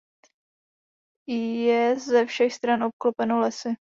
Je ze všech stran obklopeno lesy.